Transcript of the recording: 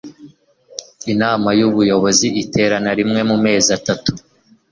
Inama y Ubuyobozi iterana rimwe mu mezi atatu